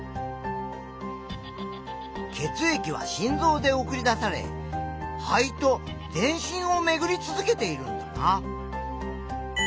血液は心臓で送り出され肺と全身をめぐり続けているんだな。